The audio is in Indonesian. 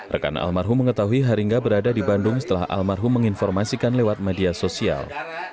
rekan almarhum mengetahui haringga berada di bandung setelah almarhum menginformasikan lewat media sosial